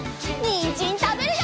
にんじんたべるよ！